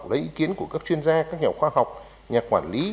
lấy ý kiến của các chuyên gia các nhà khoa học nhà quản lý